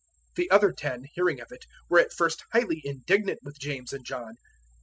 010:041 The other ten, hearing of it, were at first highly indignant with James and John.